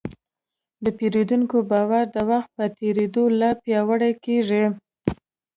د پیرودونکي باور د وخت په تېرېدو لا پیاوړی کېږي.